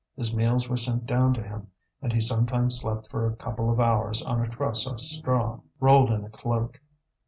His meals were sent down to him, and he sometimes slept for a couple of hours on a truss of straw, rolled in a cloak.